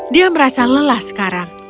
dia merasa lelah sekarang